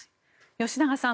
吉永さん